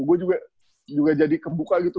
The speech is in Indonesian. gue juga jadi kebuka gitu